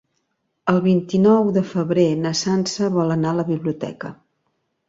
El vint-i-nou de febrer na Sança vol anar a la biblioteca.